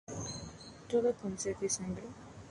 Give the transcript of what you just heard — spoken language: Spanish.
Todos con sed de sangre.